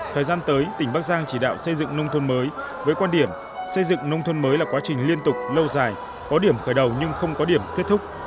thời gian tới tỉnh bắc giang chỉ đạo xây dựng nông thôn mới với quan điểm xây dựng nông thôn mới là quá trình liên tục lâu dài có điểm khởi đầu nhưng không có điểm kết thúc